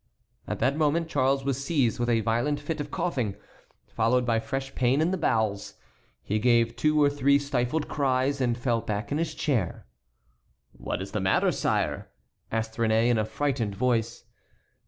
At that moment Charles was seized with a violent fit of coughing, followed by fresh pain in the bowels. He gave two or three stifled cries, and fell back in his chair. "What is the matter, sire?" asked Réné in a frightened voice.